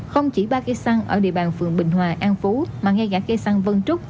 không chỉ ba cây xăng ở địa bàn phường bình hòa an phú mà ngay cả cây săn vân trúc